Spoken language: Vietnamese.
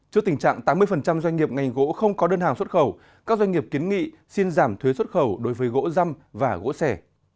trước tình trạng tám mươi doanh nghiệp ngành gỗ không có đơn hàng xuất khẩu các doanh nghiệp kiến nghị xin giảm thuế xuất khẩu đối với gỗ răm và gỗ sẻ